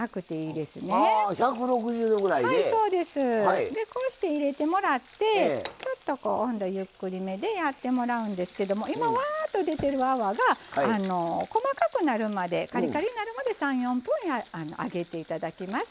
でこうして入れてもらってちょっとこう温度ゆっくりめでやってもらうんですけども今ワーッと出てる泡が細かくなるまでカリカリになるまで３４分揚げていただきます。